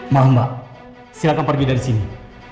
mohon mbak silahkan pergi dari sini